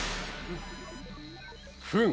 フン！